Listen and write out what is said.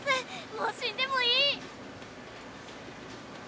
もう死んでもいいｗｗ」